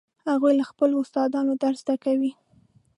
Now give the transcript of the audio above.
هغوی له خپلو استادانو درس زده کوي